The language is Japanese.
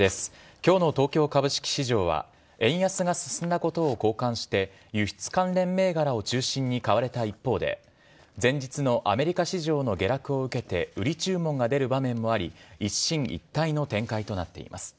きょうの東京株式市場は、円安が進んだことを好感して、輸出関連銘柄を中心に買われた一方で、前日のアメリカ市場の下落を受けて売り注文が出る場面もあり、一進一退の展開となっています。